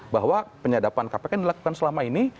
bahwa penyadapan kpk yang dilakukan selama ini